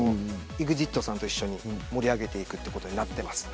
ＥＸＩＴさんと一緒に盛り上げていくことになります。